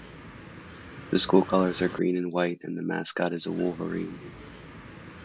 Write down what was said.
The school colors are green and white and the mascot is a wolverine.